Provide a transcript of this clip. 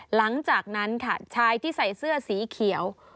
หลังจากนั้นค่ะชายที่ใส่เสื้อสีเขียว